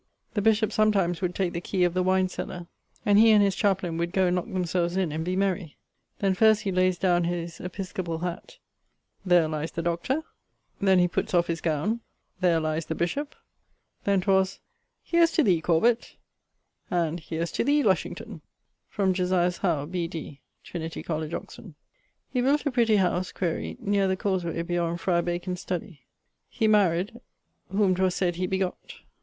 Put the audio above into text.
The bishop sometimes would take the key of the wine cellar, and he and his chaplaine would goe and lock themselves in and be merry. Then first he layes downe his episcopall hat, 'There lyes the Dr.' Then he putts of his gowne, 'There lyes the Bishop.' Then 'twas, 'Here's to thee, Corbet,' and 'Here's to thee, Lushington.' From Josias Howe, B.D., Trin. Coll. Oxon. He built a pretty house (quaere) neer the cawsey beyond Friar Bacon's studie. He married[CT] ..., whom 'twas sayd he begott.